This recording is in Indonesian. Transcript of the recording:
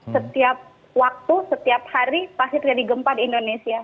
setiap waktu setiap hari pasti terjadi gempa di indonesia